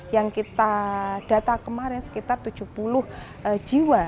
yang kita data kemarin sekitar tujuh puluh jiwa